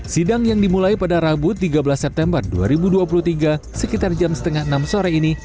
sidang yang dimulai pada rabu tiga belas september dua ribu dua puluh tiga sekitar jam setengah enam sore ini